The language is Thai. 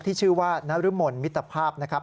ที่ชื่อว่านรมนมิตรภาพนะครับ